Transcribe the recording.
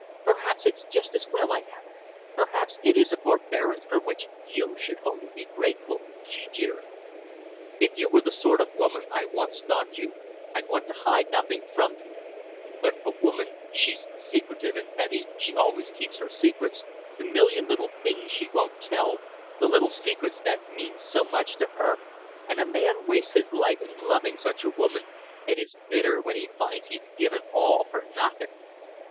"Perhaps it's just as well I haven't; perhaps it is a forbearance for which you should be only grateful," she jeered. "If you were the sort of woman I once thought you, I'd want to hide nothing from you; but a woman she's secretive and petty, she always keeps her secrets; the million little things she won't tell, the little secrets that mean so much to her and a man wastes his life in loving such a woman, and is bitter when he finds he's given all for nothing!"